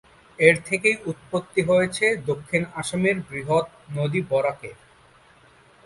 এর থেকেই উৎপত্তি হয়েছে দক্ষিণ অসমের বৃহৎ নদী বরাক-এর।